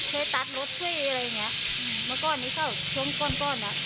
เคยตัดรถช่วยอะไรอย่างเงี้ยอืมแล้วก็อันนี้เขาช่วงก้อนก้อนน่ะ